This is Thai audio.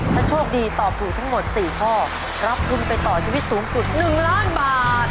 ถ้าโชคดีตอบถูกทั้งหมด๔ข้อรับทุนไปต่อชีวิตสูงสุด๑ล้านบาท